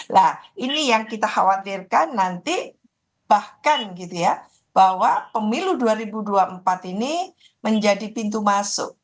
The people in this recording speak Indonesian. nah ini yang kita khawatirkan nanti bahkan gitu ya bahwa pemilu dua ribu dua puluh empat ini menjadi pintu masuk